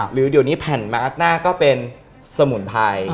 หรือเดี๋ยวนี้แผ่นมาร์ทหน้าก็เป็นสมุนไพร